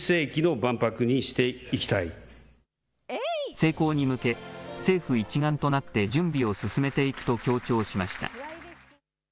成功に向け、政府一丸となって準備を進めていくと強調しました。